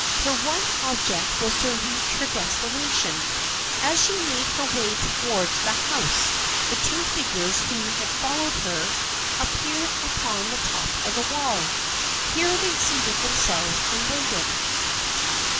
Her one object was to reach her destination. As she made her way towards the house the two figures who had followed her ap THE FRIENDSHIP OF ANNE 87 peared upon the top of the wall. Here they seated themselves and waited.